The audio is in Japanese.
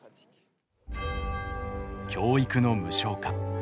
「教育の無償化」。